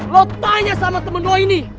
lo tanya sama temen lo ini